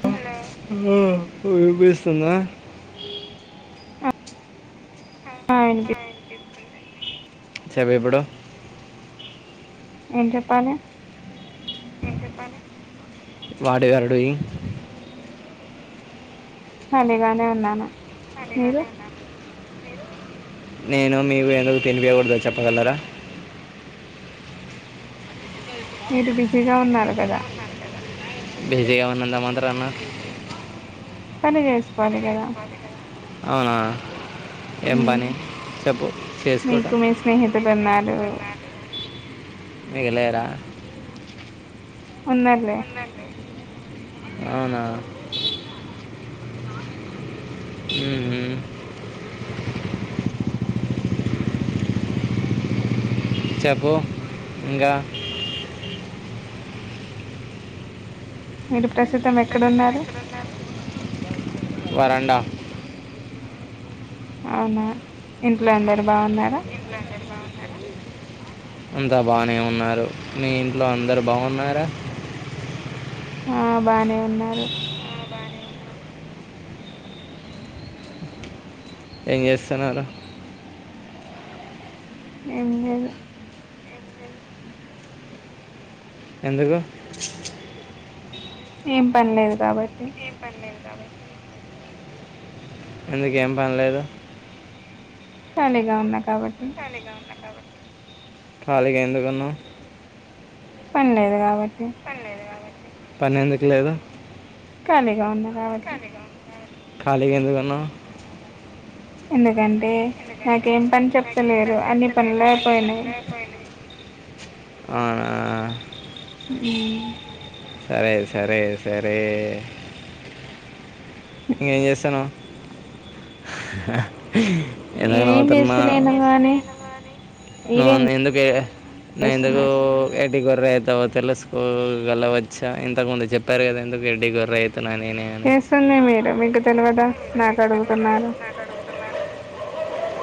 Hello ఇప్పుడు వినిపిస్తుందా ఆ వినిపి చెప్పు ఇప్పుడు ఏం చెప్పాలి వాట్ యువర్ డూయింగ్ ఖాలిగానే ఉన్నాను మీరు నేను మీకు ఎందుకు తినిపయకూడదు చెప్పగలరా మీరు బిజీగా ఉన్నారు కదా బేజీగా ఉన్నందమత్రనా పని చేసుకోవాలి కదా అవునా ఏం ఉమ్, పని చెప్పు చేసుకుంట రోనాలు మిగిలేరా ఉన్నార్లె అవునా హు హుమ్ చెప్పు ఇంకా మీరు ప్రస్తుతం ఎక్కడున్నారు వరండా అవునా ఇంట్లో అందరు బాగున్నారా అంత బానే ఉన్నారు మీ ఇంట్లో అందరు బాగున్నారా ఆ బానే ఉన్నారు ఏం చెస్తున్నారు ఏం లేదు ఎందుకు ఏం పని లేదు కాబట్టి ఎందుకు ఏం పనిలేదు ఖాళీగా ఉన్నా కాబట్టి ఖాళీగా ఎందుకు ఉన్నావ్ పని లేదు కాబట్టి పని ఎందుకు లేదు ఖాళీగా ఉన్నా కాబట్టి ఖాళీగా ఎందుకున్నావ్ ఎందుకంటే నాకేం పని చెప్తలేరు అన్ని పనిలయైపోయినాయి ఆ ఆ ఉమ్ సరే సరే సరే ఇంకేం చేస్తునవ్ ఎందుకు నేనేం నవుతునావ్ చేస్తలేను గాని మీరేం నువ్వే ఎందుకే ఎందుకు చేస్తున్నారు ఎ ఎడ్డి గొర్ర ఎట్లా పోతారో అట్లా స్కూల్ గల వచ్చా ఇంతకు ముందు చెప్పారు కదా ఎందుకు ఎడ్డి గొర్ర అయి చేసుందే మీరు మీ ఇ తేల్వదా నాక అడుగుతున్నారు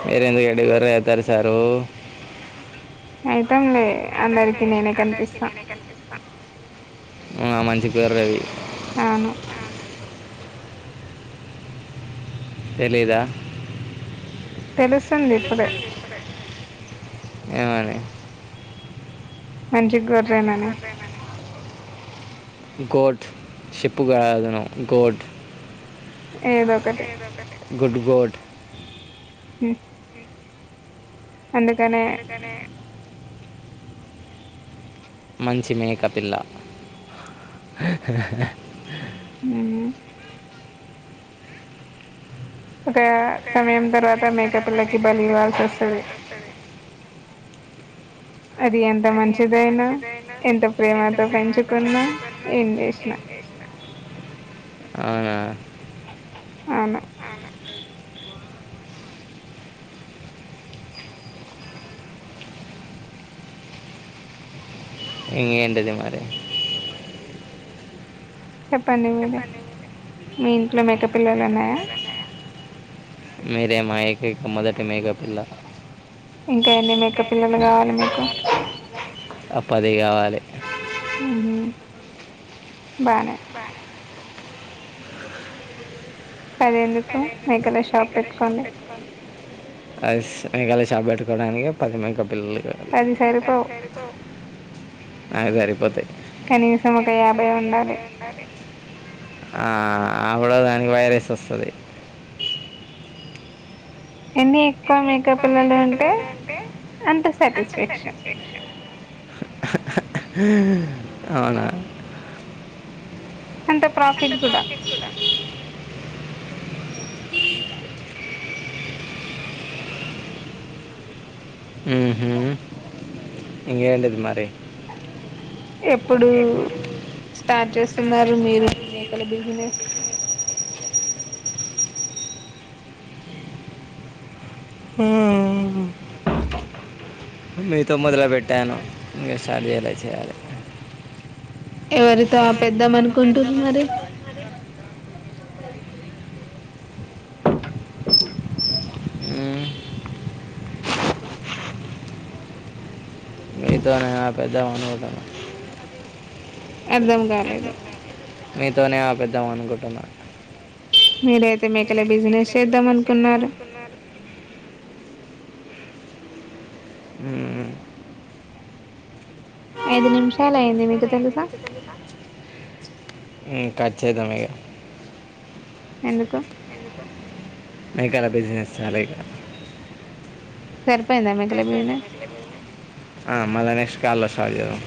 మీర ఎందుకు ఎడ్డి గొర్ర అయితారు సారు అయితాంలే అందరికి నేనే కనిపిస్తా ఆ మంచి గొర్ర ఆది అవును తేలీదా తెలుస్తుంది ఇప్పుడే ఏమని మంచిగోరెనని గోట్ షిప్కదానమా గోట్ ఏదో ఒకటి గుడ్ గోట్ హు అందుకనే మంచి మేక పిల్ల ఉహు ఒక సమయం తర్వాత మేక పిల్లకి బలి ఇవ్వాల్సి వస్తది అ సరే అది ఎంత మంచిదైనా ఎంత ప్రేమతో పెంచుకున్నా ఏం చేసిన అవునా అవును ఇంకేటిది మరి చెప్పండి మీరే మీ ఇంట్లో మేక పిల్లలు ఉన్నాయా మీరే మా ఏకైక మొదటి మేక పిల్ల ఇంకా ఎన్ని మక పిల్లలు కావాలి మీకు ఆ పది కావాలి బానే పదెందుకు మెకల షాప్ పెట్టుకోండి అది స్ మెకల షాప్ పెట్టుకోవడానికే పది మేకలు పిల్లగా అది పది సరిపోవు అవిసరిపోవు అ సరిపోతయి నీసం ఒక యాభై ఉండాలి ఆ అప్పుడ దానికి వైరస్ వస్తది ఎన్ని ఎక్కువ మేక పిల్లలు ఉంటే అంత సాటిస్ఫాక్షన్ [inaudible] అవునా అంత ప్రాఫిట్ కూడా [unintelligible] ఇంకేటిది మరి ఎప్పుడు స్టార్ట్ చేస్తున్నారు మీరు మీ మేకల బిజినెస్ మీతో మొదలపెట్టాను ఇంక స్టార్ట్ చెయ్యలే చేయాలి ఎవరితో పెద్దాం అనుకుంటుది మరి అ మ్మ్. మీతోనేే ఆపెద్ద అనుగుతను అర్ధం కాలేదు మీతోనే ఆపెద్దాం అనుకుంటున్నా మీరయితే మకలే బిజినెస్ చేద్దాం మను కున్నారు హ్మ్ ఐదు నిమిషాలు అయింది మీకు తెలుసా ఇ ఖచ్చితం ఇగ ఎందుకు నేకాల బిజినెస్ చాలిక సరి వెర్పోయిందా మేకల బిసినెస్ ఆ మళ నెక్స్ట్ కాల్ అస్తది సూడు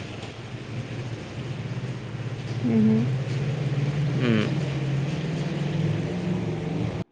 ఉహు మ్మ్.